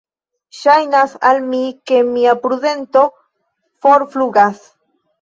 Ŝajnas al mi, ke mia prudento forflugas.